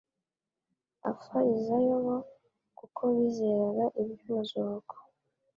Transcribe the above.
Abafarisayo bo, kuko bizeraga iby'umuzuko